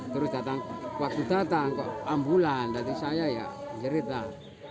terus waktu datang kok ambulan hati saya ya nyerit lah